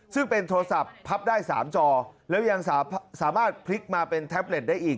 ซึ่งเป็นโทรศัพท์พับได้๓จอแล้วยังสามารถพลิกมาเป็นแท็บเล็ตได้อีก